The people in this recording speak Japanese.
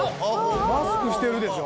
マスクしてるでしょ。